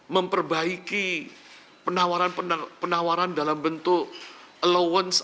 memperbaiki penawaran penawaran dalam bentuk allowance